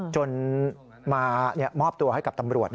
จนมามอบตัวให้กับตำรวจ